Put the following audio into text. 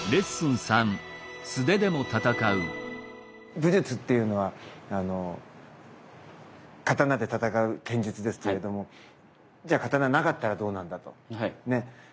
武術っていうのは刀で戦う剣術ですけれどもじゃあ刀なかったらどうなんだと。ね。